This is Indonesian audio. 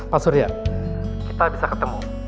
pak surya kita bisa ketemu